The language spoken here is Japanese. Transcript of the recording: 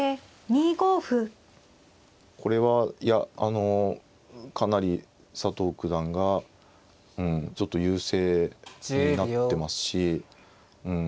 これはいやあのかなり佐藤九段がちょっと優勢になってますしうん